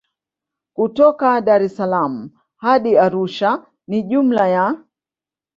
Kutoka Daressalaam hadi Arusha ni jumla ya